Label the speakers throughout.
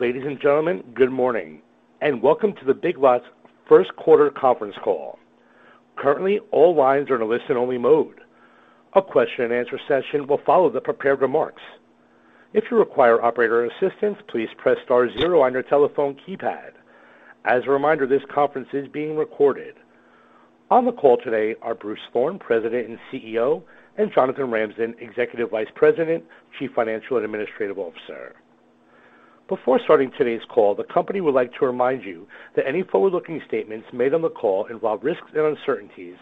Speaker 1: Ladies and gentlemen, good morning, and welcome to the Big Lots First Quarter Conference Call. Currently, all lines are in listen only mode. A question-and-answer session will follow the prepared remarks. If you require operator assistance, please press star zero on your telephone keypad. As a reminder, this conference is being recorded. On the call today are Bruce Thorn, President and CEO, and Jonathan Ramsden, Executive Vice President, Chief Financial and Administrative Officer. Before starting today's call, the company would like to remind you that any forward-looking statements made on the call involve risks and uncertainties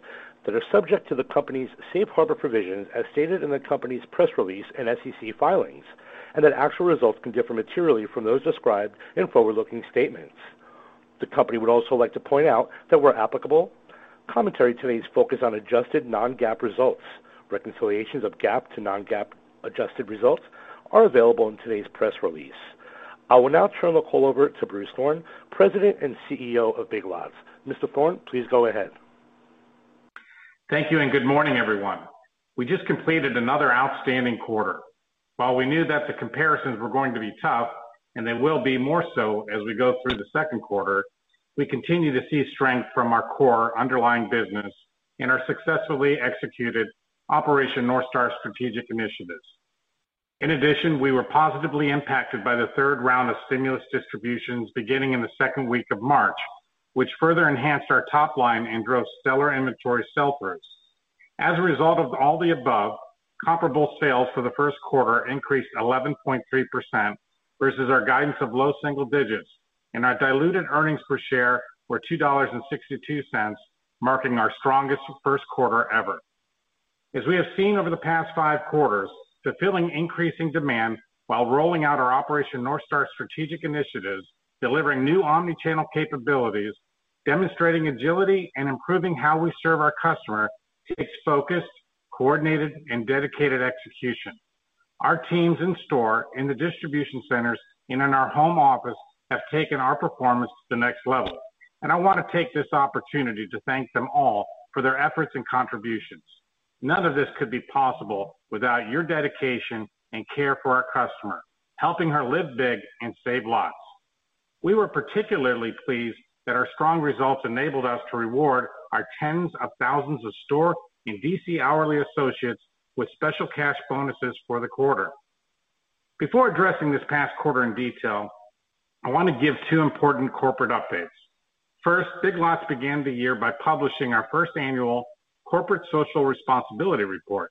Speaker 1: that are subject to the company's safe harbor provisions as stated in the company's press release and SEC filings, and that actual results can differ materially from those described in forward-looking statements. The company would also like to point out that where applicable, commentary today is focused on adjusted non-GAAP results. Reconciliations of GAAP to non-GAAP adjusted results are available in today's press release. I will now turn the call over to Bruce Thorn, President and CEO of Big Lots. Mr. Thorn, please go ahead.
Speaker 2: Thank you. Good morning, everyone. We just completed another outstanding quarter. While we knew that the comparisons were going to be tough, and they will be more so as we go through the second quarter, we continue to see strength from our core underlying business and our successfully executed Operation North Star strategic initiatives. In addition, we were positively impacted by the third round of stimulus distributions beginning in the second week of March, which further enhanced our top line and drove stellar inventory sell-throughs. As a result of all the above, comparable sales for the first quarter increased 11.3% versus our guidance of low single digits, and our diluted earnings per share were $2.62, marking our strongest first quarter ever. As we have seen over the past five quarters, fulfilling increasing demands while rolling out our Operation North Star strategic initiatives, delivering new omni-channel capabilities, demonstrating agility, and improving how we serve our customer takes focused, coordinated, and dedicated execution. Our teams in store, in the distribution centers, and in our home office have taken our performance to the next level, I want to take this opportunity to thank them all for their efforts and contributions. None of this could be possible without your dedication and care for our customer, helping her live big and save lots. We were particularly pleased that our strong results enabled us to reward our tens of thousands of store and DC hourly associates with special cash bonuses for the quarter. Before addressing this past quarter in detail, I want to give two important corporate updates. Big Lots began the year by publishing our first annual corporate social responsibility report.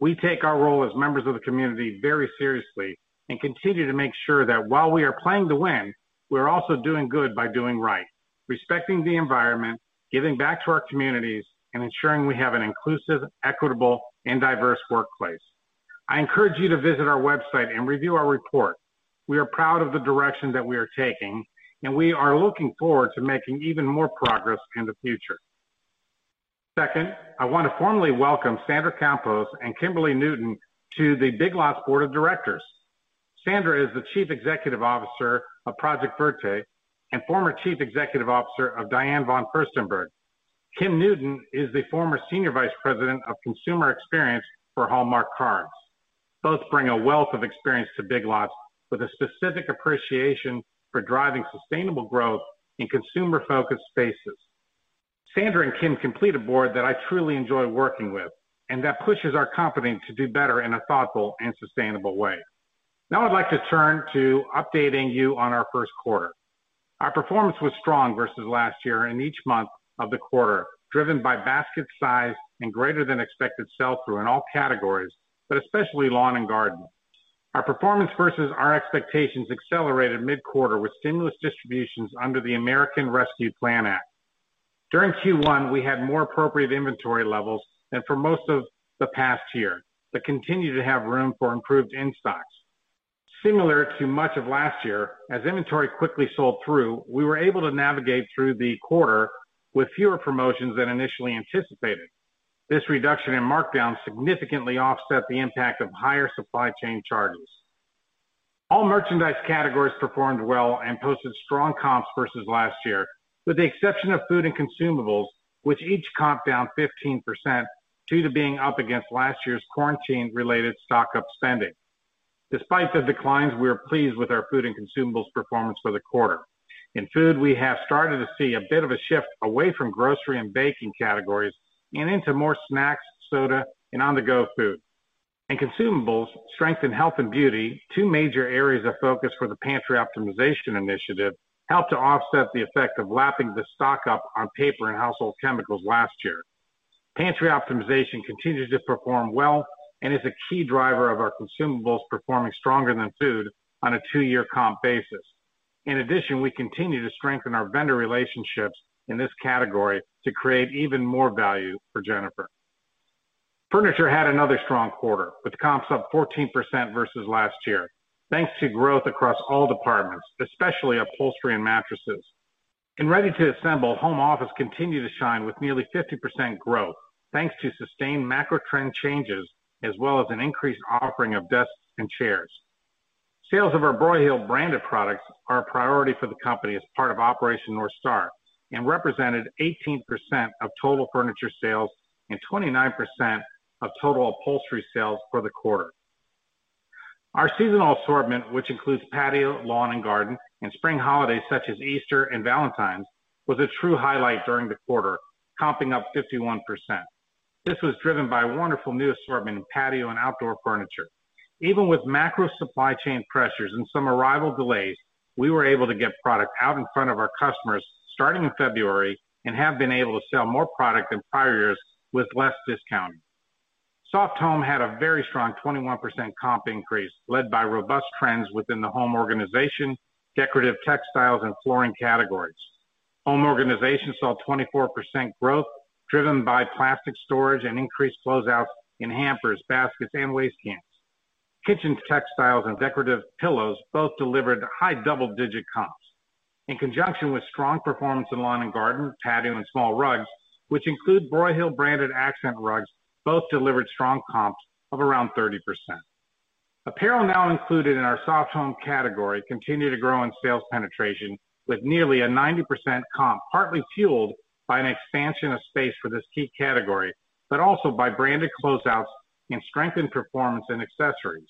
Speaker 2: We take our role as members of the community very seriously and continue to make sure that while we are playing to win, we are also doing good by doing right, respecting the environment, giving back to our communities, and ensuring we have an inclusive, equitable, and diverse workplace. I encourage you to visit our website and review our report. We are proud of the direction that we are taking, and we are looking forward to making even more progress in the future. I want to formally welcome Sandra Campos and Kimberley Newton to the Big Lots Board of Directors. Sandra is the Chief Executive Officer of Project Verte and former Chief Executive Officer of Diane von Furstenberg. Kim Newton is the former Senior Vice President of Consumer Experience for Hallmark Cards. Both bring a wealth of experience to Big Lots with a specific appreciation for driving sustainable growth in consumer-focused spaces. Sandra and Kim complete a board that I truly enjoy working with and that pushes our company to do better in a thoughtful and sustainable way. I'd like to turn to updating you on our first quarter. Our performance was strong versus last year in each month of the quarter, driven by basket size and greater than expected sell-through in all categories, but especially lawn and garden. Our performance versus our expectations accelerated mid-quarter with stimulus distributions under the American Rescue Plan Act. During Q1, we had more appropriate inventory levels than for most of the past year but continue to have room for improved in-stocks. Similar to much of last year, as inventory quickly sold through, we were able to navigate through the quarter with fewer promotions than initially anticipated. This reduction in markdowns significantly offset the impact of higher supply chain charges. All merchandise categories performed well and posted strong comps versus last year, with the exception of Food and Consumables, which each comp down 15% due to being up against last year's quarantine-related stock-up spending. Despite the declines, we are pleased with our Food and Consumables performance for the quarter. In Food, we have started to see a bit of a shift away from grocery and baking categories and into more snacks, soda, and on-the-go food. In Consumables, strength in health and beauty, two major areas of focus for the Pantry Optimization initiative, helped to offset the effect of lapping the stock-up on paper and household chemicals last year. Pantry Optimization continues to perform well and is a key driver of our consumables performing stronger than food on a two-year comp basis. We continue to strengthen our vendor relationships in this category to create even more value for Jennifer. Furniture had another strong quarter, with comps up 14% versus last year, thanks to growth across all departments, especially upholstery and mattresses. In ready-to-assemble, home office continued to shine with nearly 50% growth, thanks to sustained macro trend changes as well as an increased offering of desks and chairs. Sales of our Broyhill-branded products are a priority for the company as part of Operation North Star. Represented 18% of total furniture sales and 29% of total upholstery sales for the quarter. Our seasonal assortment, which includes patio, lawn, and garden, and spring holidays such as Easter and Valentine's, was a true highlight during the quarter, comping up 51%. This was driven by wonderful new assortment in patio and outdoor furniture. Even with macro supply chain pressures and some arrival delays, we were able to get product out in front of our customers starting in February and have been able to sell more product than prior years with less discounting. Soft home had a very strong 21% comp increase, led by robust trends within the home organization, decorative textiles, and flooring categories. Home organization saw 24% growth, driven by plastic storage and increased closeouts in hampers, baskets, and waste cans. Kitchen textiles and decorative pillows both delivered high double-digit comps. In conjunction with strong performance in lawn and garden, patio, and small rugs, which include Broyhill branded accent rugs, both delivered strong comps of around 30%. Apparel now included in our soft home category continued to grow in sales penetration with nearly a 90% comp, partly fueled by an expansion of space for this key category, but also by branded closeouts and strengthened performance in accessories.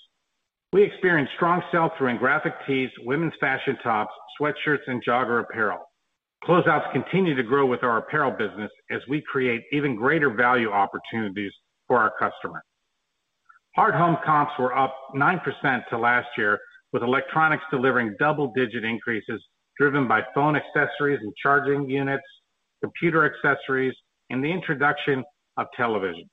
Speaker 2: We experienced strong sales during graphic tees, women's fashion tops, sweatshirts, and jogger apparel. Closeouts continue to grow with our apparel business as we create even greater value opportunities for our customers. Hard home comps were up 9% to last year, with electronics delivering double-digit increases, driven by phone accessories and charging units, computer accessories, and the introduction of televisions.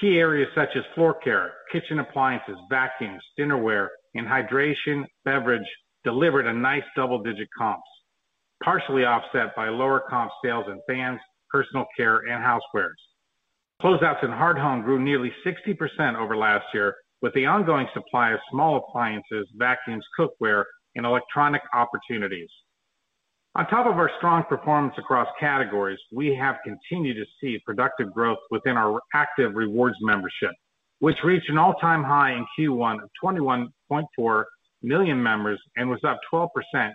Speaker 2: Key areas such as floor care, kitchen appliances, vacuums, dinnerware, and hydration, beverage delivered a nice double-digit comps, partially offset by lower comp sales in fans, personal care, and housewares. Closeouts in hard home grew nearly 60% over last year, with the ongoing supply of small appliances, vacuums, cookware, and electronic opportunities. On top of our strong performance across categories, we have continued to see productive growth within our active rewards membership, which reached an all-time high in Q1 of 21.4 million members and was up 12%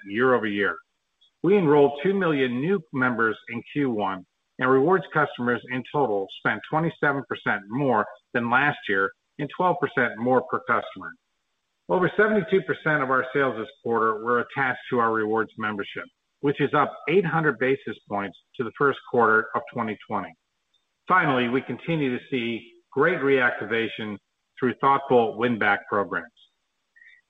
Speaker 2: year-over-year. We enrolled 2 million new members in Q1. Rewards customers in total spent 27% more than last year and 12% more per customer. Over 72% of our sales this quarter were attached to our rewards membership, which is up 800 basis points to the first quarter of 2020. Finally, we continue to see great reactivation through thoughtful win-back programs.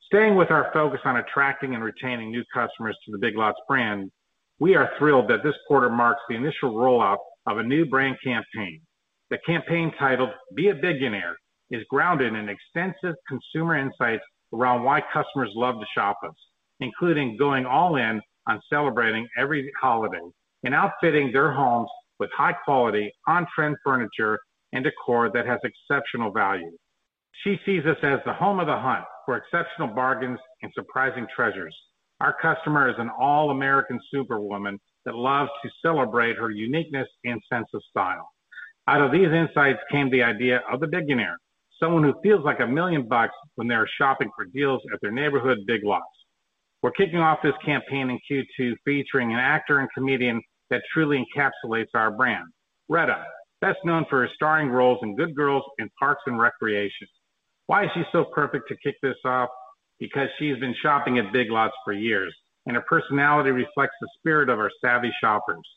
Speaker 2: Staying with our focus on attracting and retaining new customers to the Big Lots brand, we are thrilled that this quarter marks the initial rollout of a new brand campaign. The campaign, titled Be a BIGbassador, is grounded in extensive consumer insights around why customers love to shop us, including going all in on celebrating every holiday and outfitting their homes with high quality, on-trend furniture and decor that has exceptional value. She sees us as the home of the hunt for exceptional bargains and surprising treasures. Our customer is an all-American superwoman that loves to celebrate her uniqueness and sense of style. Out of these insights came the idea of a BIGionaire, someone who feels like a million bucks when they are shopping for deals at their neighborhood Big Lots. We're kicking off this campaign in Q2 featuring an actor and comedian that truly encapsulates our brand, Retta, best known for her starring roles in "Good Girls" and "Parks and Recreation." Why is she so perfect to kick this off? She has been shopping at Big Lots for years, and her personality reflects the spirit of our savvy shoppers.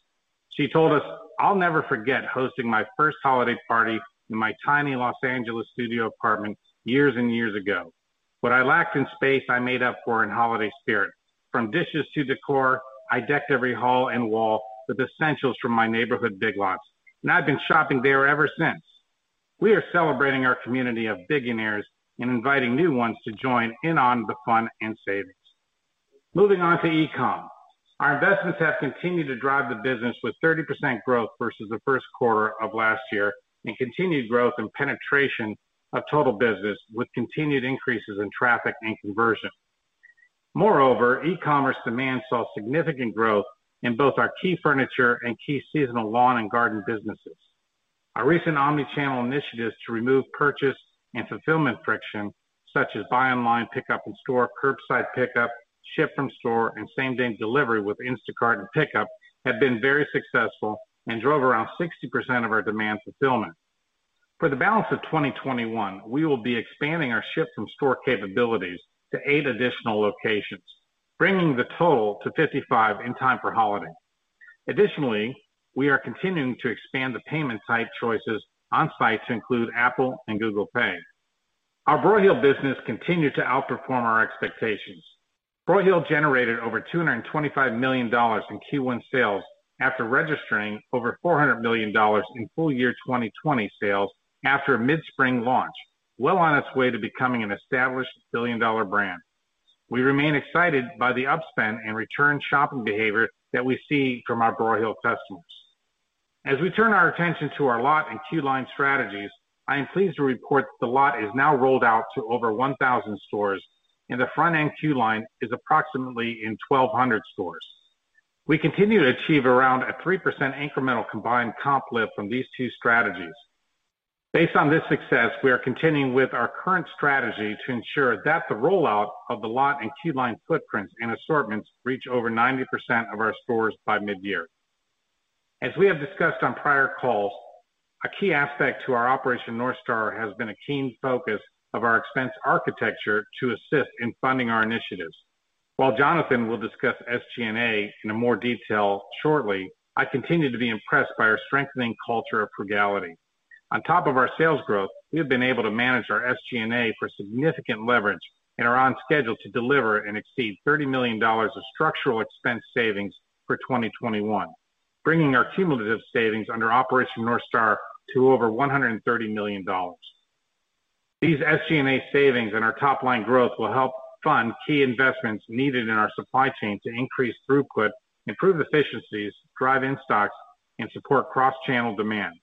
Speaker 2: She told us, "I'll never forget hosting my first holiday party in my tiny Los Angeles studio apartment years and years ago. What I lacked in space, I made up for in holiday spirit. From dishes to decor, I decked every hall and wall with essentials from my neighborhood Big Lots, and I've been shopping there ever since." We are celebrating our community of BIGionaire and inviting new ones to join in on the fun and savings. Moving on to e-com. Our investments have continued to drive the business with 30% growth versus the first quarter of last year and continued growth in penetration of total business with continued increases in traffic and conversion. E-commerce demand saw significant growth in both our key furniture and key seasonal lawn and garden businesses. Our recent omnichannel initiatives to remove purchase and fulfillment friction, such as buy online pickup in store, curbside pickup, ship from store, and same-day delivery with Instacart and Pickup have been very successful and drove around 60% of our demand fulfillment. For the balance of 2021, we will be expanding our ship from store capabilities to eight additional locations, bringing the total to 55 in time for holiday. Additionally, we are continuing to expand the payment site choices on site to include Apple and Google Pay. Our Broyhill business continued to outperform our expectations. Broyhill generated over $225 million in Q1 sales after registering over $400 million in full-year 2020 sales after a mid-spring launch, well on its way to becoming an established billion-dollar brand. We remain excited by the upspend and return shopping behavior that we see from our Broyhill customers. As we turn our attention to our Lot and QLine strategies, I am pleased to report that the Lot is now rolled out to over 1,000 stores, and the front-end QLine is approximately in 1,200 stores. We continue to achieve around a 3% incremental combined comp lift from these two strategies. Based on this success, we are continuing with our current strategy to ensure that the rollout of the Lot and QLine footprints and assortments reach over 90% of our stores by mid-year. As we have discussed on prior calls, a key aspect to our Operation North Star has been a keen focus of our expense architecture to assist in funding our initiatives. While Jonathan will discuss SG&A in more detail shortly, I continue to be impressed by our strengthening culture of frugality. On top of our sales growth, we have been able to manage our SG&A for significant leverage and are on schedule to deliver and exceed $30 million of structural expense savings for 2021, bringing our cumulative savings under Operation North Star to over $130 million. These SG&A savings and our top-line growth will help fund key investments needed in our supply chain to increase throughput, improve efficiencies, drive in stocks, and support cross-channel demand.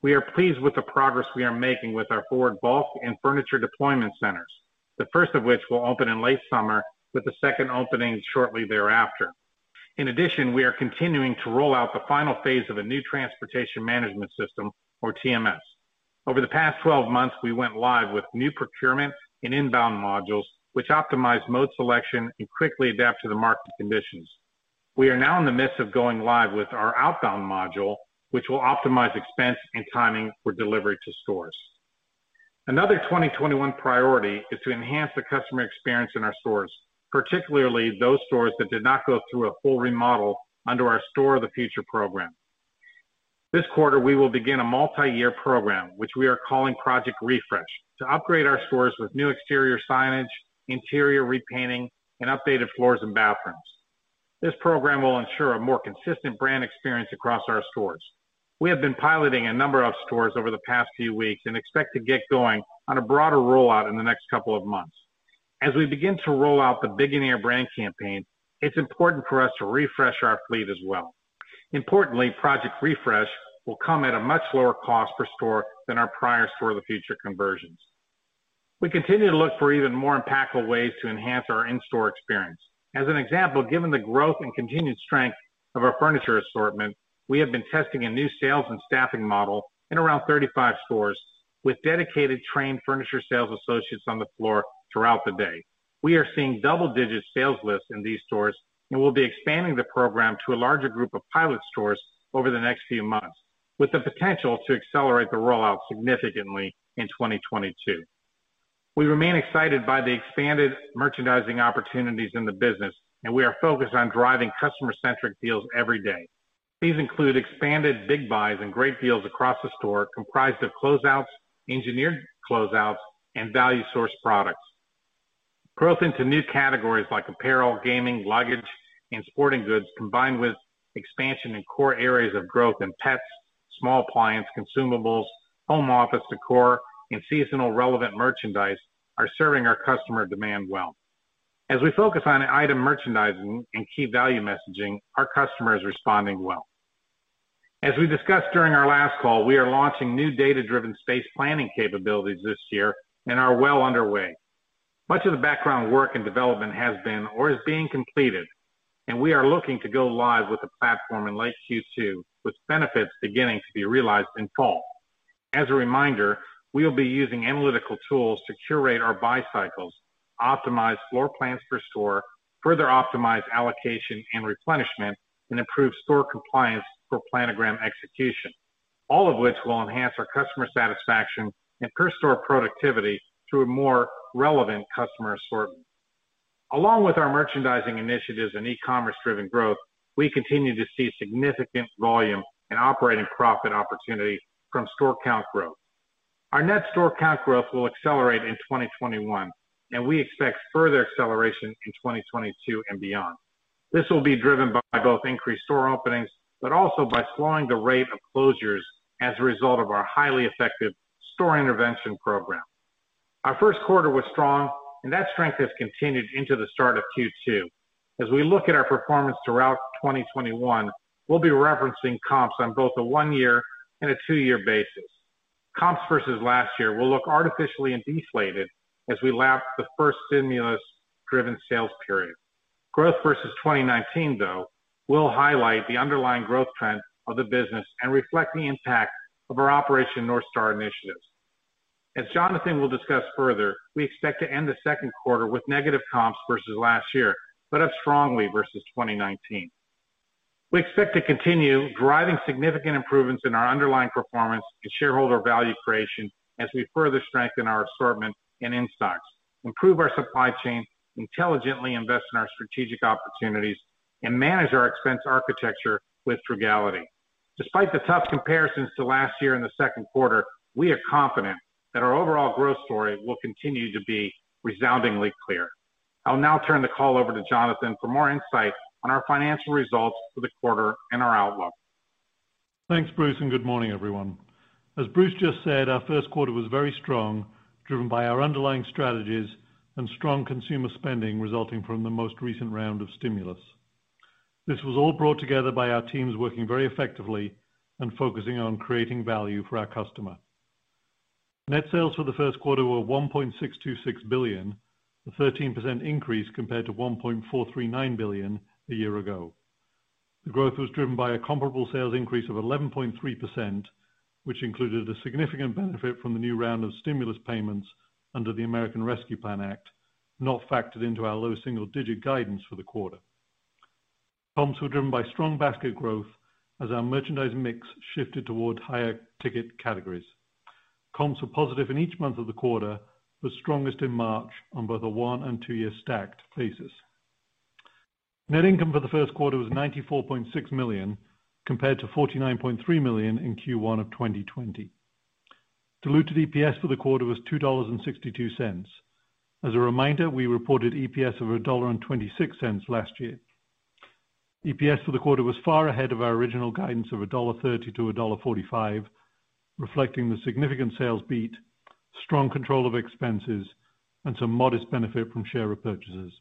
Speaker 2: We are pleased with the progress we are making with our forward bulk and furniture deployment centers, the first of which will open in late summer, with the second opening shortly thereafter. In addition, we are continuing to roll out the final phase of a new transportation management system or TMS. Over the past 12 months, we went live with new procurement and inbound modules, which optimize mode selection and quickly adapt to the market conditions. We are now in the midst of going live with our outbound module, which will optimize expense and timing for delivery to stores. Another 2021 priority is to enhance the customer experience in our stores, particularly those stores that did not go through a full remodel under our Store of the Future program. This quarter, we will begin a multi-year program, which we are calling Project Refresh, to upgrade our stores with new exterior signage, interior repainting, and updated floors and bathrooms. This program will ensure a more consistent brand experience across our stores. We have been piloting a number of stores over the past few weeks and expect to get going on a broader rollout in the next couple of months. As we begin to roll out the beginning of brand campaign, it is important for us to refresh our fleet as well. Importantly, Project Refresh will come at a much lower cost per store than our prior Store of the Future conversions. We continue to look for even more impactful ways to enhance our in-store experience. As an example, given the growth and continued strength of our furniture assortment, we have been testing a new sales and staffing model in around 35 stores with dedicated trained furniture sales associates on the floor throughout the day. We are seeing double-digit sales lifts in these stores, and we'll be expanding the program to a larger group of pilot stores over the next few months, with the potential to accelerate the rollout significantly in 2022. We remain excited by the expanded merchandising opportunities in the business, and we are focused on driving customer-centric deals every day. These include expanded Big Buys and great deals across the store comprised of closeouts, engineered closeouts, and value source products. Growth into new categories like apparel, gaming, luggage, and sporting goods, combined with expansion in core areas of growth in pets, small appliance, consumables, home office decor, and seasonal relevant merchandise, are serving our customer demand well. As we focus on item merchandising and key value messaging, our customer is responding well. As we discussed during our last call, we are launching new data-driven space planning capabilities this year and are well underway. Much of the background work and development has been or is being completed, and we are looking to go live with the platform in late Q2, with benefits beginning to be realized in fall. As a reminder, we'll be using analytical tools to curate our buy cycles, optimize floor plans per store, further optimize allocation and replenishment, and improve store compliance for planogram execution, all of which will enhance our customer satisfaction and per-store productivity through a more relevant customer assortment. Along with our merchandising initiatives and e-commerce-driven growth, we continue to see significant volume and operating profit opportunity from store count growth. Our net store count growth will accelerate in 2021, and we expect further acceleration in 2022 and beyond. This will be driven by both increased store openings, but also by slowing the rate of closures as a result of our highly effective store intervention program. Our first quarter was strong, and that strength has continued into the start of Q2. As we look at our performance throughout 2021, we'll be referencing comps on both a one-year and a two-year basis. Comps versus last year will look artificially deflated as we lap the first stimulus-driven sales period. Growth versus 2019, though, will highlight the underlying growth trend of the business and reflect the impact of our Operation North Star initiatives. As Jonathan will discuss further, we expect to end the second quarter with negative comps versus last year, but up strongly versus 2019. We expect to continue driving significant improvements in our underlying performance and shareholder value creation as we further strengthen our assortment and in-stocks, improve our supply chain, intelligently invest in our strategic opportunities, and manage our expense architecture with frugality. Despite the tough comparisons to last year in the second quarter, we are confident that our overall growth story will continue to be resoundingly clear. I'll now turn the call over to Jonathan for more insight on our financial results for the quarter and our outlook.
Speaker 3: Thanks, Bruce. Good morning, everyone. As Bruce just said, our first quarter was very strong, driven by our underlying strategies and strong consumer spending resulting from the most recent round of stimulus. This was all brought together by our teams working very effectively and focusing on creating value for our customer. Net sales for the first quarter were $1.626 billion, a 13% increase compared to $1.439 billion a year ago. The growth was driven by a comparable sales increase of 11.3%, which included a significant benefit from the new round of stimulus payments under the American Rescue Plan Act, not factored into our low single-digit guidance for the quarter. Comps were driven by strong basket growth as our merchandise mix shifted towards higher ticket categories. Comps were positive in each month of the quarter, but strongest in March on both a one and two-year stacked basis. Net income for the first quarter was $94.6 million, compared to $49.3 million in Q1 of 2020. Diluted EPS for the quarter was $2.62. As a reminder, we reported EPS of $1.26 last year. EPS for the quarter was far ahead of our original guidance of $1.30-$1.45, reflecting the significant sales beat, strong control of expenses, and some modest benefit from share repurchases.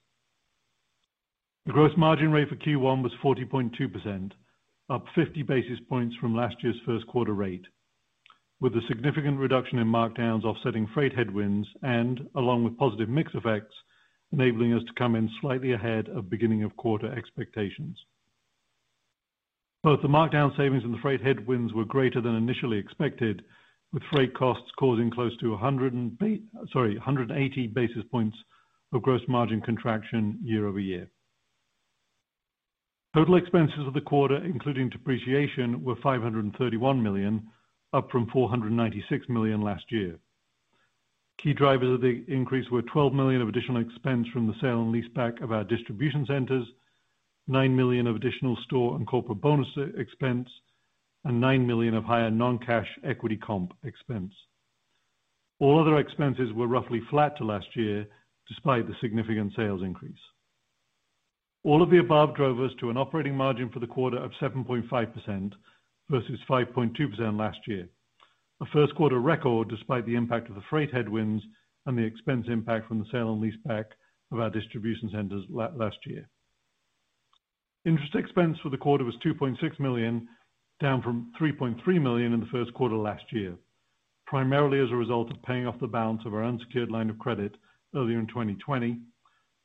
Speaker 3: The gross margin rate for Q1 was 40.2%, up 50 basis points from last year's first quarter rate, with a significant reduction in markdowns offsetting freight headwinds and, along with positive mix effects, enabling us to come in slightly ahead of beginning of quarter expectations. Both the markdown savings and the freight headwinds were greater than initially expected, with freight costs causing close to 180 basis points of gross margin contraction year-over-year. Total expenses for the quarter, including depreciation, were $531 million, up from $496 million last year. Key drivers of the increase were $12 million of additional expense from the sale and leaseback of our Distribution Centers, $9 million of additional store and corporate bonus expense, and $9 million of higher non-cash equity comp expense. All other expenses were roughly flat to last year, despite the significant sales increase. All of the above drove us to an operating margin for the quarter of 7.5% versus 5.2% last year. A first quarter record despite the impact of the freight headwinds and the expense impact from the sale and leaseback of our Distribution Centers last year. Interest expense for the quarter was $2.6 million, down from $3.3 million in the first quarter last year, primarily as a result of paying off the balance of our unsecured line of credit early in 2020,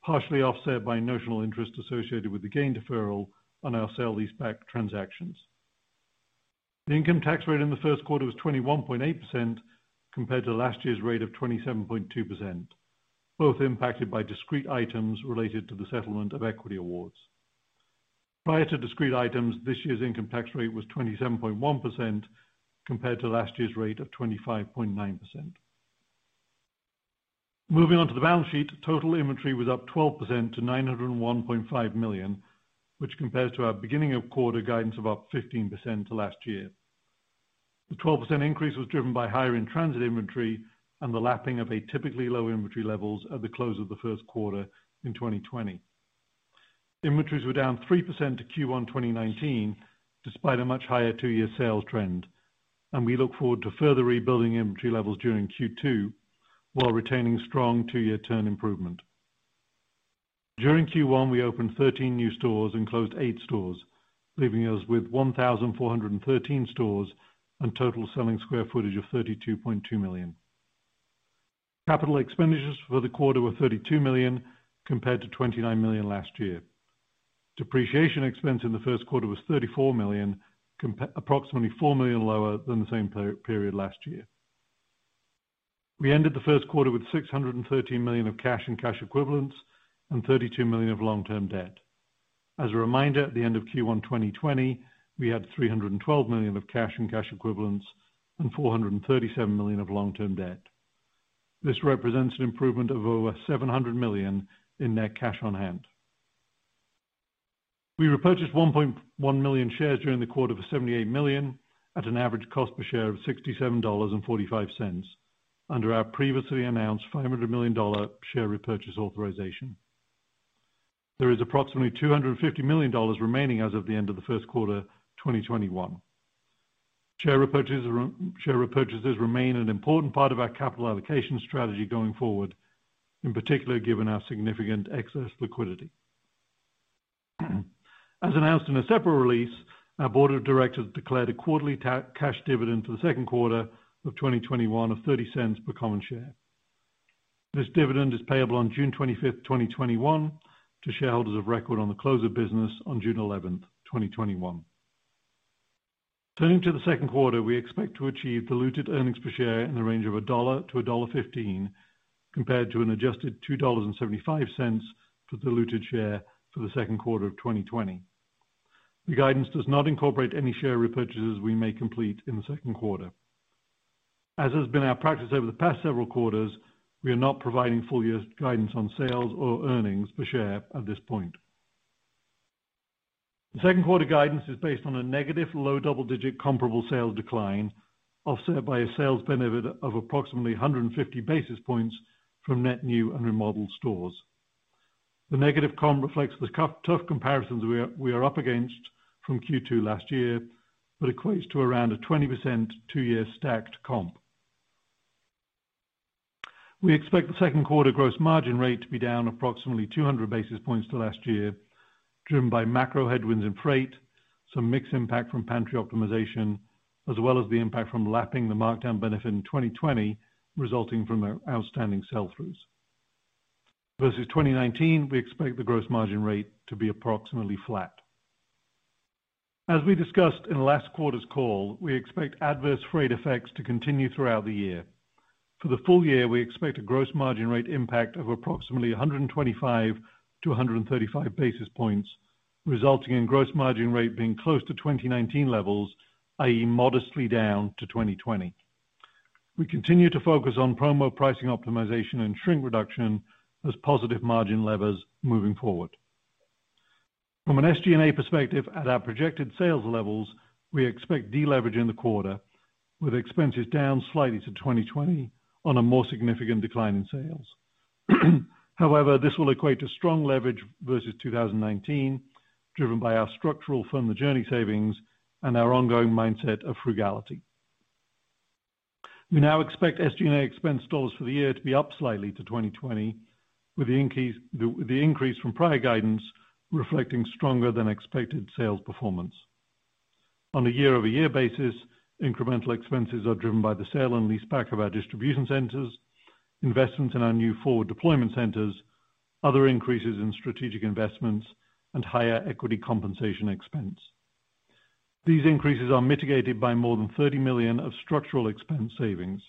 Speaker 3: partially offset by notional interest associated with the gain deferral on our sale leaseback transactions. The income tax rate in the first quarter was 21.8% compared to last year's rate of 27.2%, both impacted by discrete items related to the settlement of equity awards. Prior to discrete items, this year's income tax rate was 27.1% compared to last year's rate of 25.9%. Moving on to the balance sheet, total inventory was up 12% to $901.5 million, which compares to our beginning of quarter guidance of up 15% to last year. The 12% increase was driven by higher in-transit inventory and the lapping of a typically low inventory levels at the close of the first quarter in 2020. Inventories were down 3% to Q1 2019, despite a much higher two-year sales trend. We look forward to further rebuilding inventory levels during Q2 while retaining strong two-year turn improvement. During Q1, we opened 13 new stores and closed eight stores, leaving us with 1,413 stores and total selling square footage of 32.2 million. Capital expenditures for the quarter were $32 million, compared to $29 million last year. Depreciation expense in the first quarter was $34 million, approximately $4 million lower than the same period last year. We ended the first quarter with $613 million of cash and cash equivalents and $32 million of long-term debt. As a reminder, at the end of Q1 2020, we had $312 million of cash and cash equivalents and $437 million of long-term debt. This represents an improvement of over $700 million in net cash on hand. We repurchased 1.1 million shares during the quarter for $78 million at an average cost per share of $67.45 under our previously announced $500 million share repurchase authorization. There is approximately $250 million remaining as of the end of the first quarter 2021. Share repurchases remain an important part of our capital allocation strategy going forward, in particular, given our significant excess liquidity. As announced in a separate release, our board of directors declared a quarterly cash dividend for the second quarter of 2021 of $0.30 per common share. This dividend is payable on June 25th, 2021, to shareholders of record on the close of business on June 11, 2021. Turning to the second quarter, we expect to achieve diluted earnings per share in the range of $1 to $1.15, compared to an adjusted $2.75 per diluted share for the second quarter of 2020. The guidance does not incorporate any share repurchases we may complete in the second quarter. As has been our practice over the past several quarters, we are not providing full-year guidance on sales or earnings per share at this point. The second quarter guidance is based on a negative low double-digit comparable sales decline, offset by a sales benefit of approximately 150 basis points from net new and remodeled stores. The negative comp reflects the tough comparisons we are up against from Q2 last year, that equates to around a 20% two-year stacked comp. We expect the second quarter gross margin rate to be down approximately 200 basis points to last year, driven by macro headwinds and freight, some mix impact from Pantry Optimization, as well as the impact from lapping the markdown benefit in 2020 resulting from outstanding sell-throughs. Versus 2019, we expect the gross margin rate to be approximately flat. As we discussed in last quarter's call, we expect adverse freight effects to continue throughout the year. For the full-year, we expect a gross margin rate impact of approximately 125 to 135 basis points, resulting in gross margin rate being close to 2019 levels, i.e., modestly down to 2020. We continue to focus on promo pricing optimization and shrink reduction as positive margin levers moving forward. From an SG&A perspective, at our projected sales levels, we expect deleverage in the quarter, with expenses down slightly to 2020 on a more significant decline in sales. This will equate to strong leverage versus 2019, driven by our structural fund the journey savings and our ongoing mindset of frugality. We now expect SG&A expense dollars for the year to be up slightly to 2020, with the increase from prior guidance reflecting stronger than expected sales performance. On a year-over-year basis, incremental expenses are driven by the sale and leaseback of our distribution centers, investments in our new forward deployment centers, other increases in strategic investments, and higher equity compensation expense. These increases are mitigated by more than $30 million of structural expense savings.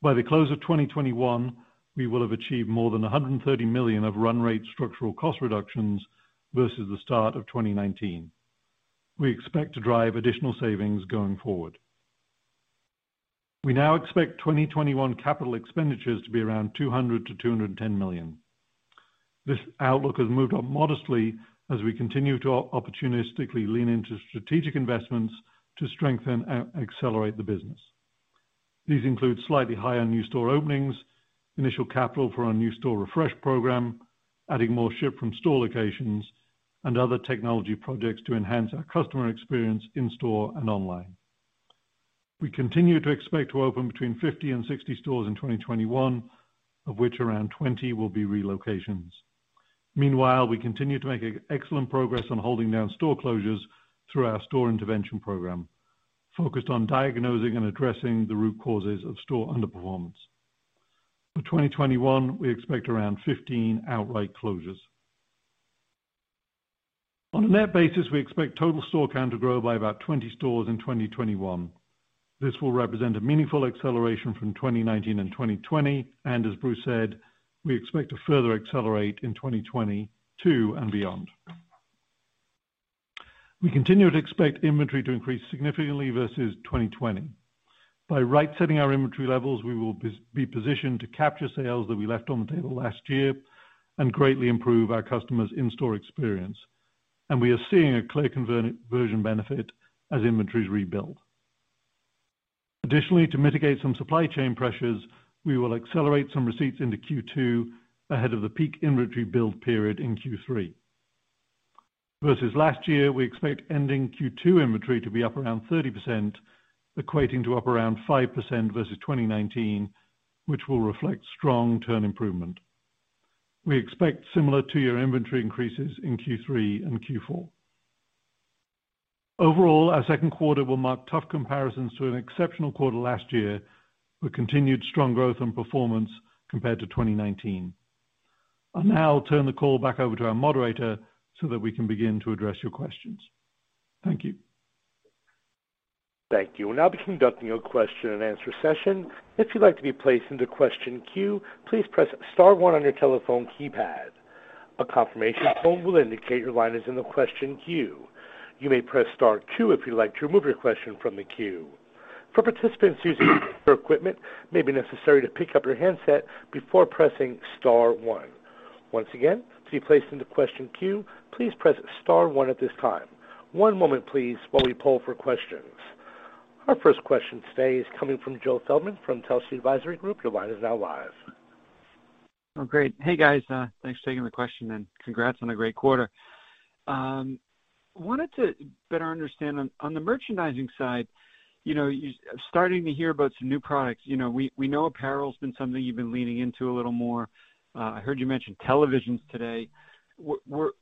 Speaker 3: By the close of 2021, we will have achieved more than $130 million of run rate structural cost reductions versus the start of 2019. We expect to drive additional savings going forward. We now expect 2021 capital expenditures to be around $200 million to $210 million. This outlook has moved up modestly as we continue to opportunistically lean into strategic investments to strengthen and accelerate the business. These include slightly higher new store openings, initial capital for our new store refresh program, adding more ship from store locations, and other technology projects to enhance our customer experience in-store and online. We continue to expect to open between 50 and 60 stores in 2021, of which around 20 will be relocations. Meanwhile, we continue to make excellent progress on holding down store closures through our store intervention program, focused on diagnosing and addressing the root causes of store underperformance. For 2021, we expect around 15 outright closures. On a net basis, we expect total store count to grow by about 20 stores in 2021. This will represent a meaningful acceleration from 2019 and 2020, as Bruce said, we expect to further accelerate in 2022 and beyond. We continue to expect inventory to increase significantly versus 2020. By right-setting our inventory levels, we will be positioned to capture sales that we left on the table last year and greatly improve our customers' in-store experience, we are seeing a clear conversion benefit as inventories rebuild. Additionally, to mitigate some supply chain pressures, we will accelerate some receipts into Q2 ahead of the peak inventory build period in Q3. Versus last year, we expect ending Q2 inventory to be up around 30%, equating to up around 5% versus 2019, which will reflect strong turn improvement. We expect similar two-year inventory increases in Q3 and Q4. Overall, our second quarter will mark tough comparisons to an exceptional quarter last year, with continued strong growth and performance compared to 2019. I'll now turn the call back over to our moderator so that we can begin to address your questions. Thank you.
Speaker 1: Thank you. We'll now be conducting a question-and-answer session. Our first question today is coming from Joseph Feldman from Telsey Advisory Group. Your line is now live.
Speaker 4: Oh, great. Hey, guys. Thanks for taking the question, and congrats on a great quarter. Wanted to better understand, on the merchandising side, starting to hear about some new products. We know apparel's been something you've been leaning into a little more. I heard you mention televisions today. Were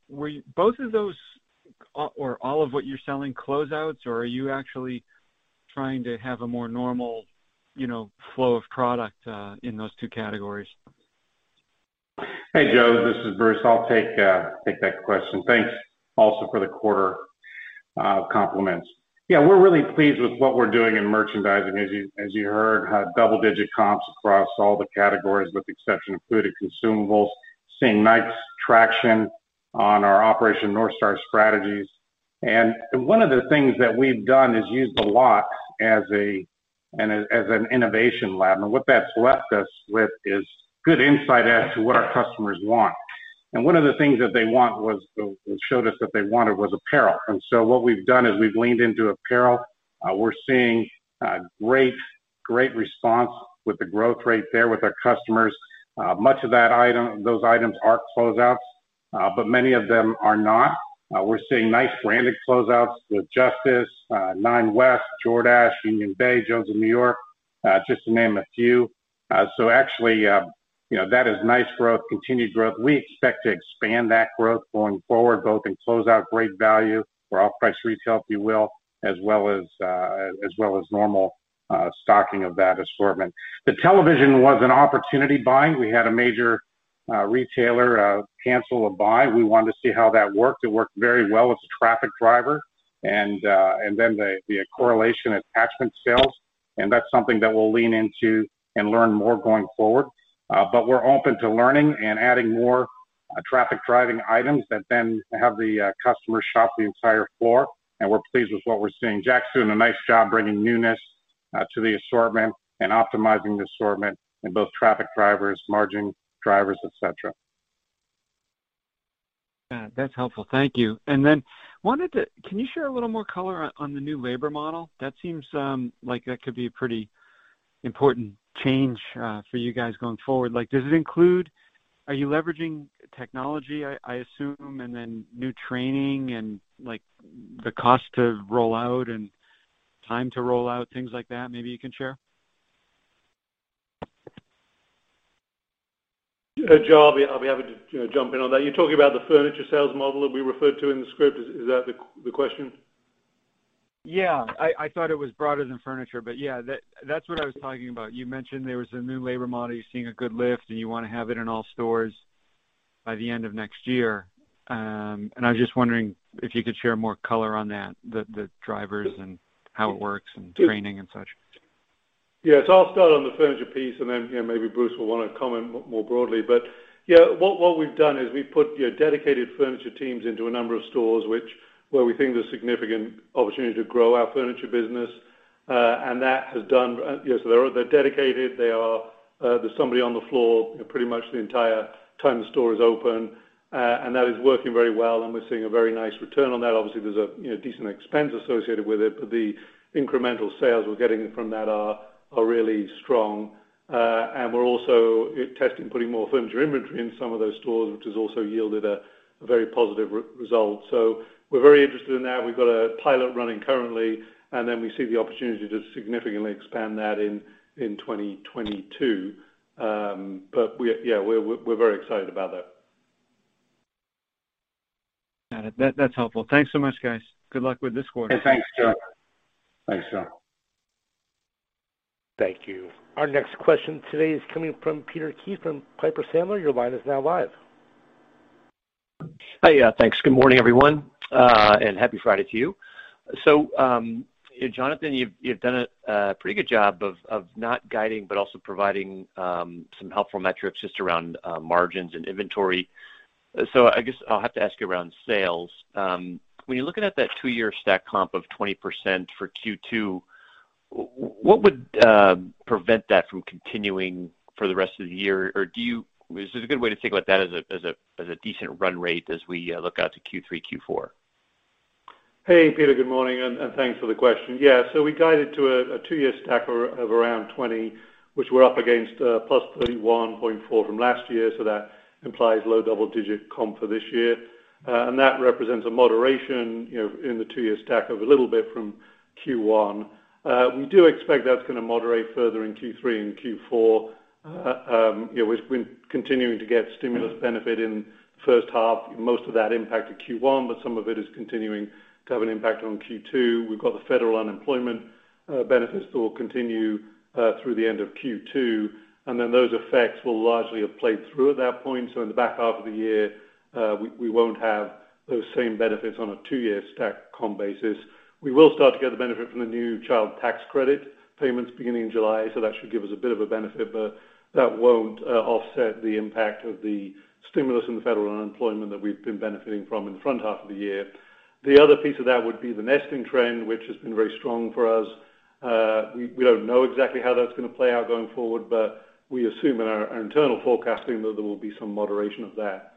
Speaker 4: both of those or all of what you're selling closeouts, or are you actually trying to have a more normal flow of product in those two categories?
Speaker 2: Hey, Joe, this is Bruce. I'll take that question. Thanks also for the quarter compliments. Yeah, we're really pleased with what we're doing in merchandising. As you heard, double-digit comps across all the categories with the exception of food and consumables. Seeing nice traction on our Operation North Star strategies. One of the things that we've done is used The Lot as an innovation lab. What that's left us with is good insight as to what our customers want. One of the things that they want was, that showed us that they wanted was apparel. What we've done is we've leaned into apparel. We're seeing great response with the growth rate there with our customers. Much of those items are closeouts, but many of them are not. We're seeing nice branded closeouts with Justice, Nine West, Jordache, Unionbay, Jones New York, just to name a few. Actually, that is nice growth, continued growth. We expect to expand that growth going forward, both in closeout great value or off-price retail, if you will, as well as normal stocking of that assortment. The television was an opportunity buying. We had a major retailer cancel a buy. We wanted to see how that worked. It worked very well as a traffic driver, the correlation attachment sales, that's something that we'll lean into and learn more going forward. We're open to learning and adding more traffic-driving items that then have the customer shop the entire floor, we're pleased with what we're seeing. Jack's doing a nice job bringing newness to the assortment and optimizing the assortment in both traffic drivers, margin drivers, et cetera.
Speaker 4: Yeah, that's helpful. Thank you. Can you share a little more color on the new labor model? That seems like that could be a pretty important change for you guys going forward. Are you leveraging technology, I assume, then new training, the cost to roll out and time to roll out, things like that maybe you can share?
Speaker 3: Yeah, Joe, I'll be happy to jump in on that. You're talking about the furniture sales model that we referred to in the script. Is that the question?
Speaker 4: I thought it was broader than furniture, yeah, that's what I was talking about. You mentioned there was a new labor model, you're seeing a good lift, you want to have it in all stores by the end of next year. I'm just wondering if you could share more color on that, the drivers and how it works and training and such.
Speaker 3: Yeah. I'll start on the furniture piece, and then maybe Bruce will want to comment more broadly. What we've done is we've put dedicated furniture teams into a number of stores where we think there's significant opportunity to grow our furniture business. They're dedicated. There's somebody on the floor pretty much the entire time the store is open, and that is working very well, and we're seeing a very nice return on that. Obviously, there's a decent expense associated with it, but the incremental sales we're getting from that are really strong. We're also testing putting more furniture inventory in some of those stores, which has also yielded a very positive result. We're very interested in that. We've got a pilot running currently, and then we see the opportunity to significantly expand that in 2022. Yeah, we're very excited about it.
Speaker 4: Got it. That's helpful. Thanks so much, guys. Good luck with this quarter.
Speaker 3: Thanks, Joe.
Speaker 2: Thanks, Joe.
Speaker 1: Thank you. Our next question today is coming from Peter Keith from Piper Sandler. Your line is now live.
Speaker 5: Hi. Thanks. Good morning, everyone, and happy Friday to you. Jonathan, you've done a pretty good job of not guiding but also providing some helpful metrics just around margins and inventory. I guess I'll have to ask you around sales. When you're looking at that two-year stack comp of 20% for Q2, what would prevent that from continuing for the rest of the year? Is it a good way to think about that as a decent run rate as we look out to Q3, Q4?
Speaker 3: Hey, Peter, good morning, and thanks for the question. Yeah, we guided to a two-year stack of around 20, which we're up against +31.4% from last year. That implies low double-digit comp for this year. That represents a moderation in the two-year stack of a little bit from Q1. We do expect that's going to moderate further in Q3 and Q4. We've been continuing to get stimulus benefit in the first half. Most of that impacted Q1, some of it is continuing to have an impact on Q2. We've got the federal unemployment benefits that will continue through the end of Q2, those effects will largely have played through at that point. In the back half of the year, we won't have those same benefits on a two-year stack comp basis. We will start to get the benefit from the new Child Tax Credit payments beginning July. That should give us a bit of a benefit, but that won't offset the impact of the stimulus and federal unemployment that we've been benefiting from in the front half of the year. The other piece of that would be the nesting trend, which has been very strong for us. We don't know exactly how that's going to play out going forward, but we assume in our internal forecasting that there will be some moderation of that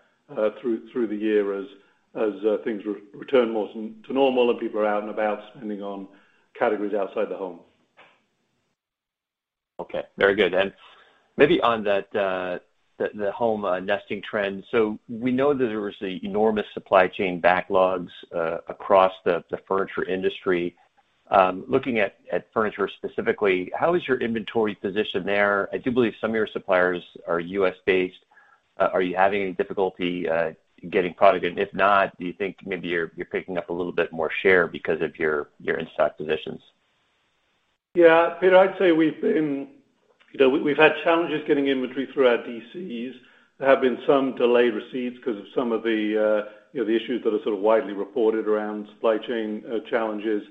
Speaker 3: through the year as things return more to normal and people are out and about spending on categories outside the home.
Speaker 5: Okay. Very good. Maybe on the home nesting trend, we know that there was enormous supply chain backlogs across the furniture industry. Looking at furniture specifically, how is your inventory position there? I do believe some of your suppliers are U.S.-based. Are you having any difficulty getting product in? If not, do you think maybe you're picking up a little bit more share because of your in-stock positions?
Speaker 3: Yeah. Peter, I'd say we've had challenges getting inventory through our DCs. There have been some delayed receipts because of some of the issues that are sort of widely reported around supply chain challenges.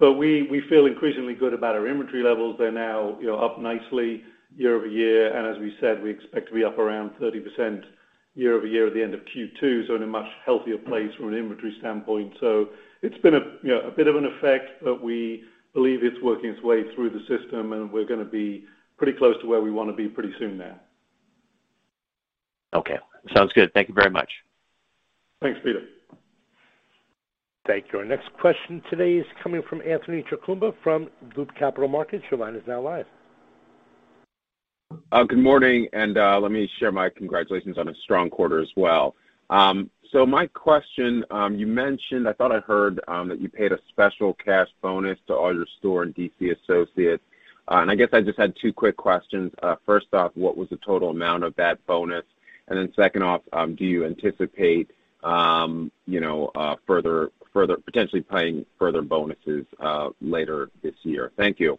Speaker 3: We feel increasingly good about our inventory levels. They're now up nicely year-over-year. As we said, we expect to be up around 30% year-over-year at the end of Q2, so in a much healthier place from an inventory standpoint. It's been a bit of an effect, but we believe it's working its way through the system, and we're going to be pretty close to where we want to be pretty soon now.
Speaker 5: Okay. Sounds good. Thank you very much.
Speaker 3: Thanks, Peter.
Speaker 1: Thank you. Our next question today is coming from Anthony Chukumba from Loop Capital Markets. Your line is now live.
Speaker 6: Good morning, let me share my congratulations on a strong quarter as well. My question, you mentioned, I thought I heard, that you paid a special cash bonus to all your store and DC associates. I guess I just had two quick questions. First off, what was the total amount of that bonus? Second off, do you anticipate potentially paying further bonuses later this year? Thank you.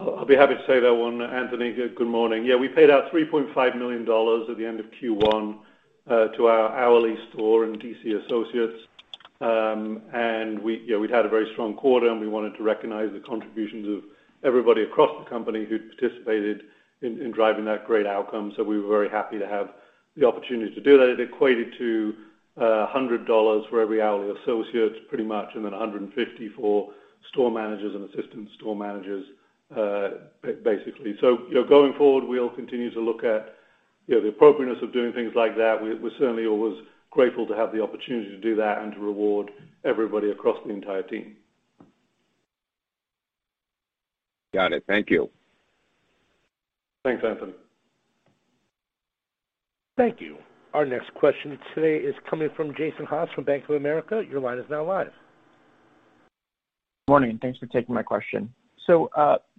Speaker 3: I'll be happy to take that one, Anthony. Good morning. Yeah, we paid out $3.5 million at the end of Q1 to our hourly store and DC associates. We'd had a very strong quarter, and we wanted to recognize the contributions of everybody across the company who participated in driving that great outcome. We were very happy to have the opportunity to do that. It equated to $100 for every hourly associate, pretty much, and then $150 for store managers and assistant store managers, basically. Going forward, we'll continue to look at the appropriateness of doing things like that. We're certainly always grateful to have the opportunity to do that and to reward everybody across the entire team.
Speaker 6: Got it. Thank you.
Speaker 3: Thanks, Anthony.
Speaker 1: Thank you. Our next question today is coming from Jason Haas from Bank of America. Your line is now live.
Speaker 7: Morning. Thanks for taking my question.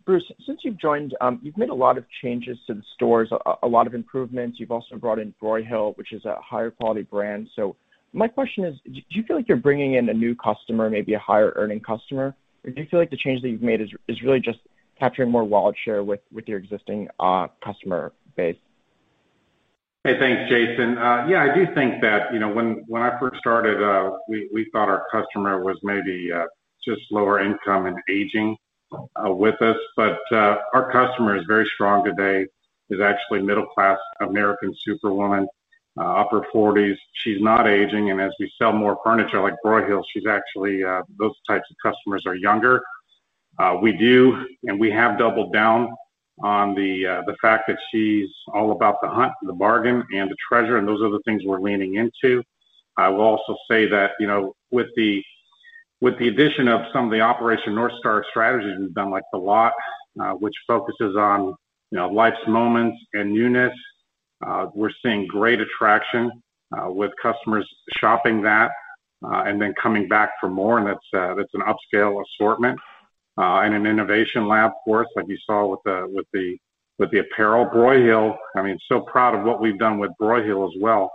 Speaker 7: Bruce, since you've joined, you've made a lot of changes to the stores, a lot of improvements. You've also brought in Broyhill, which is a higher quality brand. My question is, do you feel like you're bringing in a new customer, maybe a higher earning customer? Or do you feel like the change that you've made is really just capturing more wallet share with your existing customer base?
Speaker 2: Hey, thanks, Jason. Yeah, I do think that when I first started, we thought our customer was maybe just lower income and aging with us. Our customer is very strong today, is actually middle class American superwoman, upper 40s. She's not aging. As we sell more furniture like Broyhill, those types of customers are younger. We do, and we have doubled down on the fact that she's all about the hunt and the bargain and the treasure, and those are the things we're leaning into. I will also say that with the addition of some of the Operation North Star strategies we've done, like The Lot, which focuses on life's moments and units, we're seeing great attraction with customers shopping that and then coming back for more, and it's an upscale assortment. An innovation lab, of course, like you saw with the apparel. Broyhill, I'm so proud of what we've done with Broyhill as well.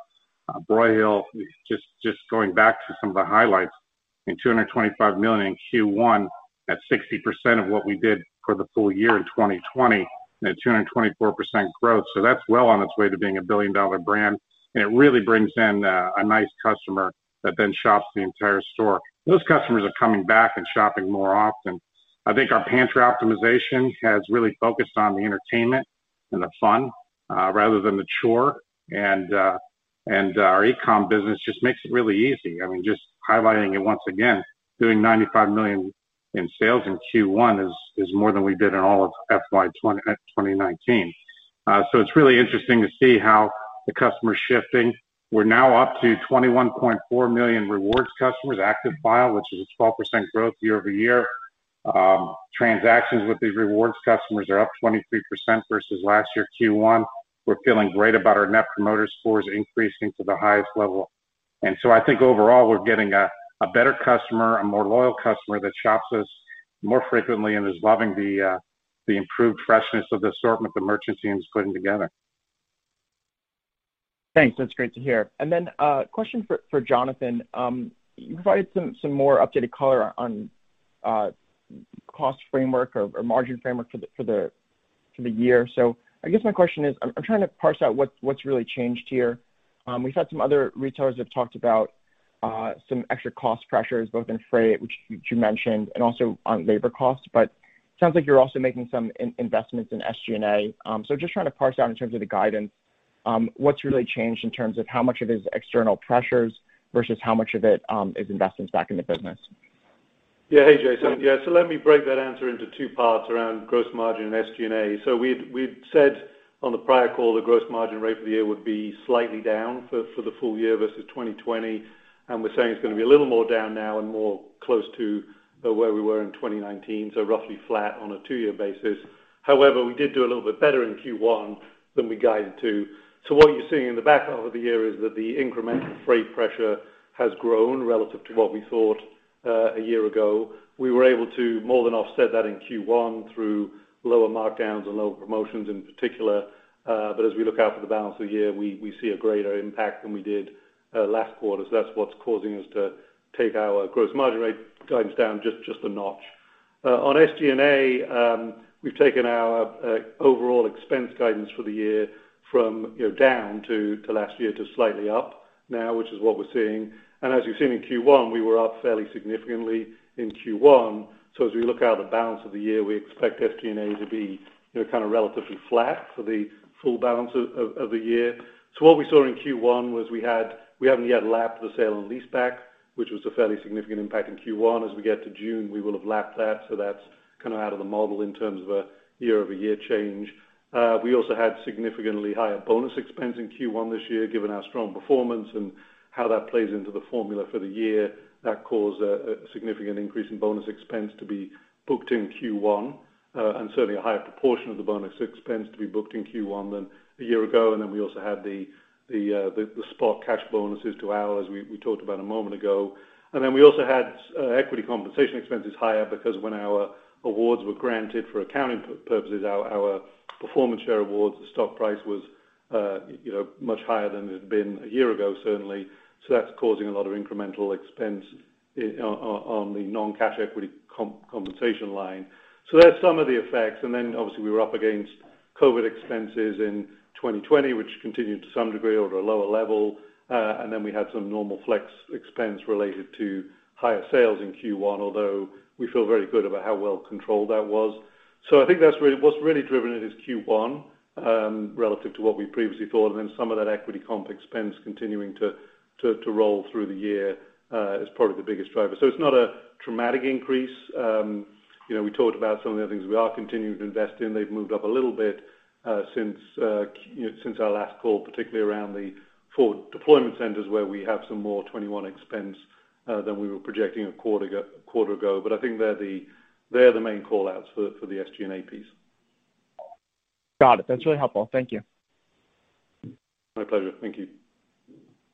Speaker 2: Broyhill, just going back to some of the highlights, made $225 million in Q1 at 60% of what we did for the full-year in 2020 and at 224% growth. That's well on its way to being a billion-dollar brand. It really brings in a nice customer that then shops the entire store. Those customers are coming back and shopping more often. I think our Pantry Optimization has really focused on the entertainment and the fun rather than the chore. Our e-com business just makes it really easy. Just highlighting it once again, doing $95 million in sales in Q1 is more than we did in all of FY 2019. It's really interesting to see how the customer's shifting. We're now up to 21.4 million BIG Rewards customers, active file, which is a 12% growth year-over-year. Transactions with these BIG Rewards customers are up 23% versus last year, Q1. We're feeling great about our net promoter scores increasing to the highest level. I think overall, we're getting a better customer, a more loyal customer that shops us more frequently and is loving the improved freshness of the assortment the merchant team is putting together.
Speaker 7: Thanks. Then a question for Jonathan. You provided some more updated color on cost framework or margin framework for the year. I guess my question is, I'm trying to parse out what's really changed here. We've had some other retailers that talked about some extra cost pressures, both in freight, which you mentioned, and also on labor costs. It sounds like you're also making some investments in SG&A. Just trying to parse out in terms of the guidance, what's really changed in terms of how much of it is external pressures versus how much of it is investments back in the business?
Speaker 3: Hey, Jason. Let me break that answer into two parts around gross margin and SG&A. We'd said on the prior call that gross margin rate for the year would be slightly down for the full-year versus 2020, and we're saying it's going to be a little more down now and more close to where we were in 2019, so roughly flat on a two-year basis. However, we did do a little bit better in Q1 than we guided to. What you're seeing in the back half of the year is that the incremental freight pressure has grown relative to what we thought a year ago. We were able to more than offset that in Q1 through lower markdowns and lower promotions in particular. As we look out for the balance of the year, we see a greater impact than we did last quarter. That's what's causing us to take our gross margin rate guidance down just a notch. On SG&A, we've taken our overall expense guidance for the year from down to last year to slightly up now, which is what we're seeing. As you've seen in Q1, we were up fairly significantly in Q1. As we look out the balance of the year, we expect SG&A to be kind of relatively flat for the full balance of the year. What we saw in Q1 was we haven't yet lapped the sale and leaseback, which was a fairly significant impact in Q1. As we get to June, we will have lapped that, so that's kind of out of the model in terms of a year-over-year change. We also had significantly higher bonus expense in Q1 this year, given our strong performance and how that plays into the formula for the year. That caused a significant increase in bonus expense to be booked in Q1, and certainly a higher proportion of the bonus expense to be booked in Q1 than a year ago. We also had the spot cash bonuses to hourly, as we talked about a moment ago. We also had equity compensation expenses higher because when our awards were granted for accounting purposes, our performance share awards, the stock price was much higher than it had been a year ago, certainly. That's causing a lot of incremental expense on the non-cash equity compensation line. That's some of the effects. Obviously we were up against COVID expenses in 2020, which continued to some degree at a lower level. Then we had some normal flex expense related to higher sales in Q1, although we feel very good about how well controlled that was. I think that what's really driven it is Q1 relative to what we previously thought, and then some of that equity comp expense continuing to roll through the year is probably the biggest driver. It's not a dramatic increase. We talked about some of the things we are continuing to invest in. They've moved up a little bit since our last call, particularly around the forward deployment centers where we have some more 2021 expense than we were projecting a quarter ago. I think they're the main call-outs for the SG&A piece.
Speaker 7: Got it. That's really helpful. Thank you.
Speaker 3: My pleasure. Thank you.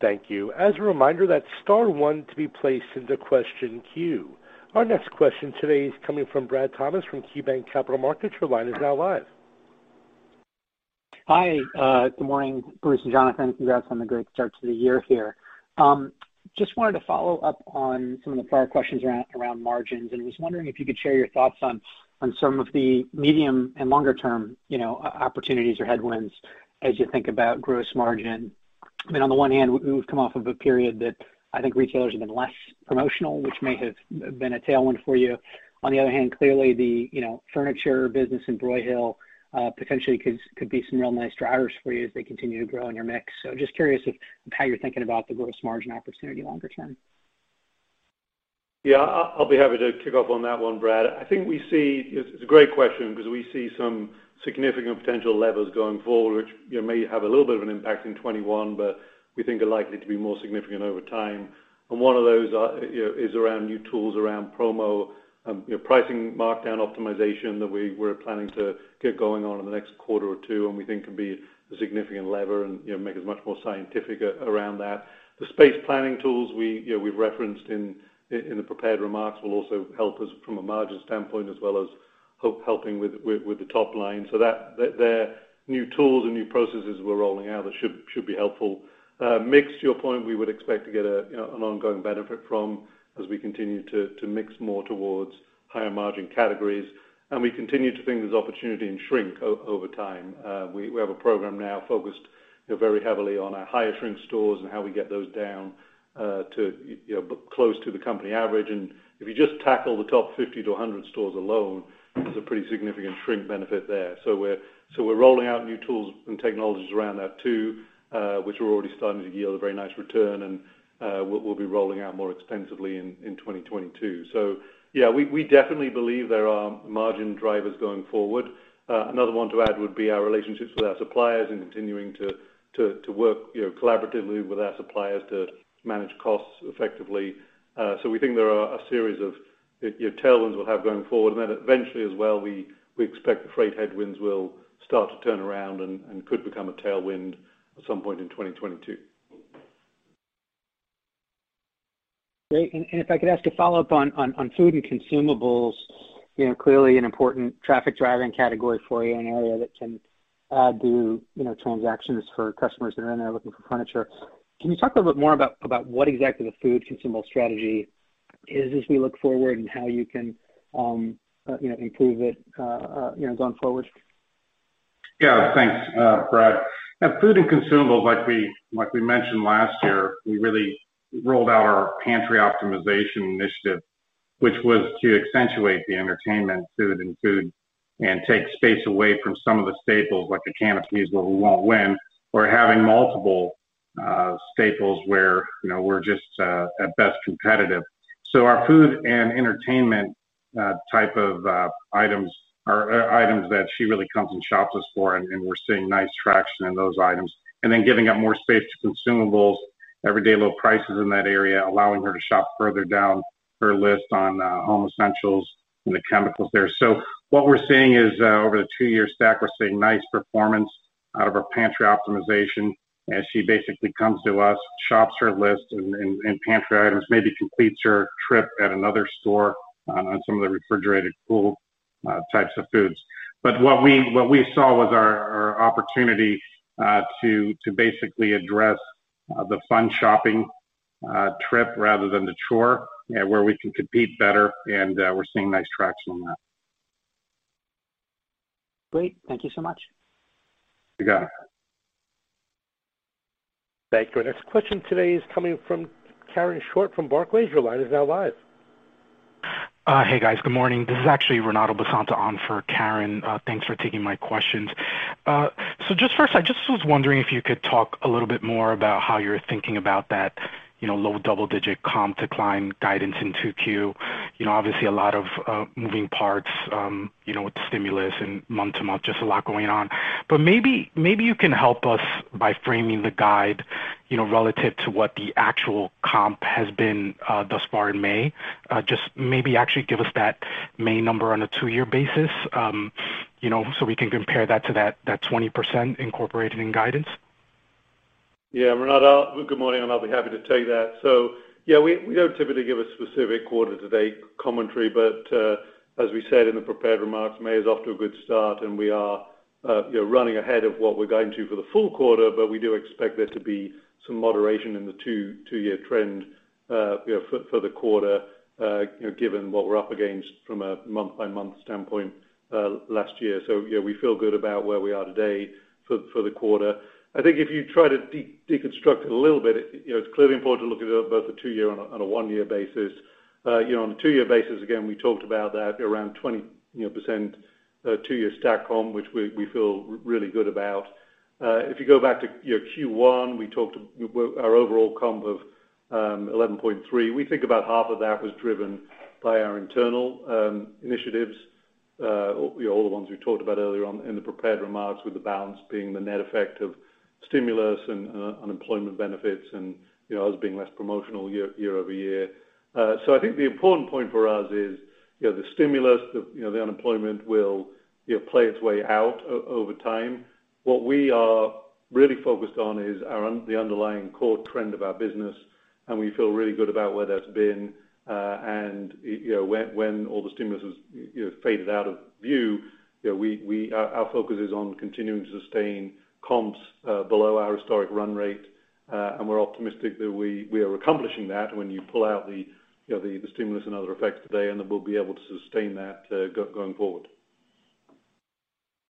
Speaker 1: Thank you. As a reminder, that's star one to be placed into question queue. Our next question today is coming from Brad Thomas from KeyBanc Capital Markets. Your line is now live.
Speaker 8: Hi, good morning, Bruce and Jonathan. Congrats on the great start to the year here. Just wanted to follow up on some of the prior questions around margins. Was wondering if you could share your thoughts on some of the medium and longer term opportunities or headwinds as you think about gross margin. On the one hand, we've come off of a period that I think retailers have been less promotional, which may have been a tailwind for you. On the other hand, clearly the furniture business in Broyhill potentially could be some real nice drivers for you as they continue to grow in your mix. Just curious how you're thinking about the gross margin opportunity longer term.
Speaker 3: Yeah, I'll be happy to kick off on that one, Brad. It's a great question because we see some significant potential levers going forward, which may have a little bit of an impact in 2021, but we think are likely to be more significant over time. One of those is around new tools, around promo, pricing markdown optimization that we're planning to get going on in the next quarter or two, and we think can be a significant lever and make us much more scientific around that. The space planning tools we've referenced in the prepared remarks will also help us from a margin standpoint as well as helping with the top line. They're new tools and new processes we're rolling out that should be helpful. Mix, to your point, we would expect to get an ongoing benefit from as we continue to mix more towards higher margin categories. We continue to think there's opportunity in shrink over time. We have a program now focused very heavily on our higher shrink stores and how we get those down to close to the company average. If you just tackle the top 50-100 stores alone, there's a pretty significant shrink benefit there. We're rolling out new tools and technologies around that too, which we're already starting to yield a very nice return, and we'll be rolling out more extensively in 2022. Yeah, we definitely believe there are margin drivers going forward. Another one to add would be our relationships with our suppliers and continuing to work collaboratively with our suppliers to manage costs effectively. We think there are a series of tailwinds we'll have going forward. Eventually as well, we expect the freight headwinds will start to turn around and could become a tailwind at some point in 2022.
Speaker 8: Great. If I could ask a follow-up on food and consumables, clearly an important traffic-driving category for you, an area that can add to transactions for customers that are in there looking for furniture. Can you talk a little bit more about what exactly the food consumable strategy is as we look forward and how you can improve it going forward?
Speaker 2: Yeah. Thanks, Brad. Food and consumables, like we mentioned last year, we really rolled out our Pantry Optimization initiative, which was to accentuate the entertainment food and take space away from some of the staples like the canned peas where we won't win, or having multiple staples where we're just at best competitive. Our food and entertainment type of items are items that she really comes and shops us for, and we're seeing nice traction in those items. Giving up more space to consumables, everyday low prices in that area, allowing her to shop further down her list on home essentials and the chemicals there. What we're seeing is over the two-year stack, we're seeing nice performance out of our Pantry Optimization as she basically comes to us, shops her list and pantry items, maybe completes her trip at another store on some of the refrigerated, cool types of foods. What we saw was our opportunity to basically address the fun shopping trip rather than the chore, where we can compete better, and we're seeing nice traction on that.
Speaker 8: Great. Thank you so much.
Speaker 2: You got it.
Speaker 1: Thank you. Our next question today is coming from Karen Short from Barclays. Your line is now live.
Speaker 9: Hey, guys. Good morning. This is actually Renato Basanta on for Karen Short. Thanks for taking my questions. Just first, I just was wondering if you could talk a little bit more about how you're thinking about that low double-digit comp decline guidance in 2Q. Obviously, a lot of moving parts with stimulus and month-to-month, just a lot going on. Maybe you can help us by framing the guide relative to what the actual comp has been thus far in May. Just maybe actually give us that May number on a two-year basis so we can compare that to that 20% incorporated in guidance.
Speaker 3: Renato, good morning. I'll be happy to take that. Yeah, we don't typically give a specific quarter-to-date commentary, but as we said in the prepared remarks, May is off to a good start, and we are running ahead of what we're guiding to for the full quarter. We do expect there to be some moderation in the two-year trend for the quarter, given what we're up against from a month-by-month standpoint last year. Yeah, we feel good about where we are today for the quarter. I think if you try to deconstruct it a little bit, it's clearly important to look at it both the two-year and on a one-year basis. On a two-year basis, again, we talked about that around 20% two-year stack comp, which we feel really good about. If you go back to Q1, we talked our overall comp of 11.3. We think about half of that was driven by our internal initiatives or the ones we talked about earlier on in the prepared remarks with the balance being the net effect of stimulus and unemployment benefits and us being less promotional year-over-year. I think the important point for us is the stimulus, the unemployment will play its way out over time. What we are really focused on is the underlying core trend of our business, and we feel really good about where that's been. When all the stimulus has faded out of view, our focus is on continuing to sustain comps below our historic run rate. We're optimistic that we are accomplishing that when you pull out the stimulus and other effects today, and that we'll be able to sustain that going forward.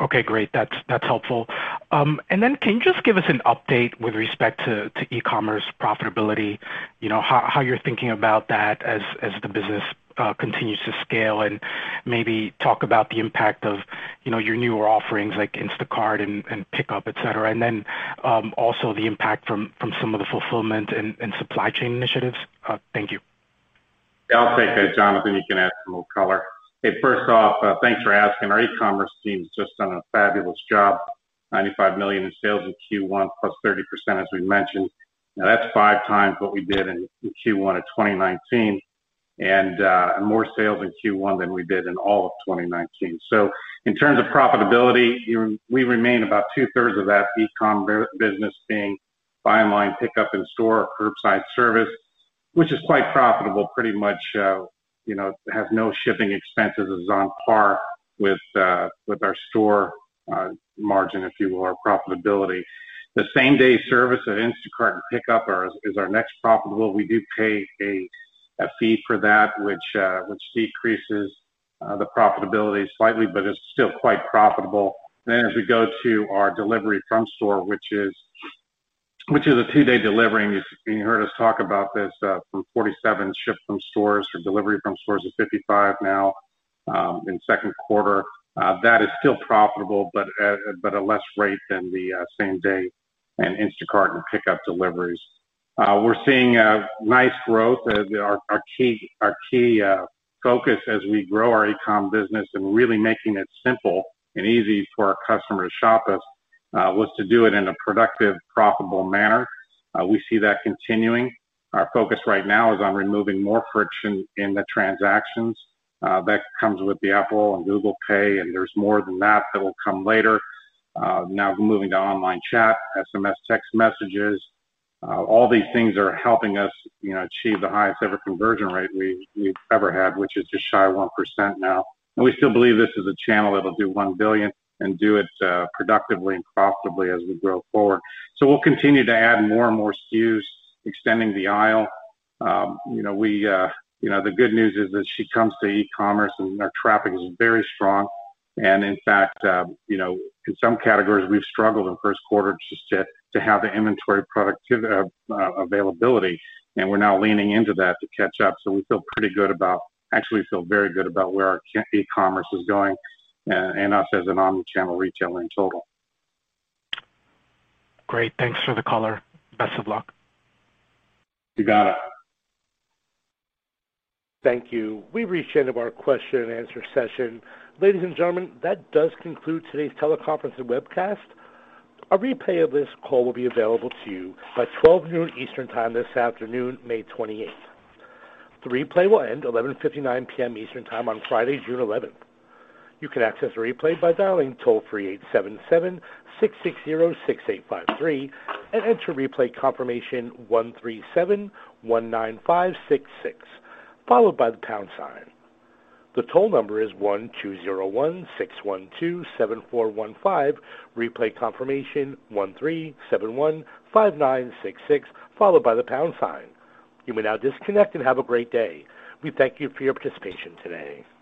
Speaker 9: Okay, great. That's helpful. Then can you just give us an update with respect to e-commerce profitability? How you're thinking about that as the business continues to scale, and maybe talk about the impact of your newer offerings like Instacart and Pickup, et cetera, and then also the impact from some of the fulfillment and supply chain initiatives. Thank you.
Speaker 2: I'll take that, Jonathan. You can add some more color. First off, thanks for asking. Our e-commerce team has just done a fabulous job, $95 million in sales in Q1 +30%, as we mentioned. That's five times what we did in Q1 of 2019, and more sales in Q1 than we did in all of 2019. In terms of profitability, we remain about two-thirds of that e-com business being buy online pickup in store, curbside service, which is quite profitable, pretty much, has no shipping expenses. It's on par with our store margin, if you will, our profitability. The same-day service at Instacart and Pickup is our next profitable. We do pay a fee for that, which decreases the profitability slightly, but it's still quite profitable. As we go to our delivery from store, which is a two-day delivery, and you heard us talk about this from 47 ship from stores or delivery from stores of 55 now in second quarter. That is still profitable, but at a less rate than the same-day and Instacart and Pickup deliveries. We're seeing a nice growth. Our key focus as we grow our e-com business and really making it simple and easy for our customers to shop us was to do it in a productive, profitable manner. We see that continuing. Our focus right now is on removing more friction in the transactions. That comes with the Apple Pay and Google Pay, and there's more than that that will come later. Moving to online chat, SMS text messages, all these things are helping us achieve the highest ever conversion rate we've ever had, which is just shy of 1% now. We still believe this is a channel that'll do $1 billion and do it productively and profitably as we grow forward. We'll continue to add more and more SKUs extending the aisle. The good news is as she comes to e-commerce and our traffic is very strong, and in fact, in some categories we've struggled in the first quarter just to have the inventory product availability, and we're now leaning into that to catch up. We feel pretty good about actually, we feel very good about where our e-commerce is going and us as an omnichannel retailer in total.
Speaker 9: Great. Thanks for the color. Best of luck.
Speaker 3: You got it.
Speaker 1: Thank you. We've reached the end of our question-and-answer session. Ladies and gentlemen, that does conclude today's teleconference and webcast. A replay of this call will be available to you by 12:00 noon Eastern Time this afternoon, May 28th. The replay will end 11:59 P.M. Eastern Time on Friday, June 11th. You can access the replay by dialing toll-free 877-660-6853 and enter replay confirmation 13719566, followed by the star sign. The toll number is 1-201-612-7415, replay confirmation 13715966, followed by the pound sign. You may now disconnect and have a great day. We thank you for your participation today.